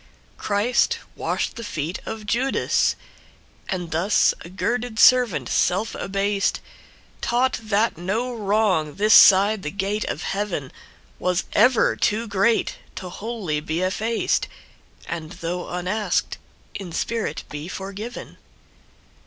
Christ washed the feet of Judas! And thus a girded servant, self abased, Taught that no wrong this side the gate of heavenWas ever too great to wholly be effaced, And though unasked, in spirit be forgiven.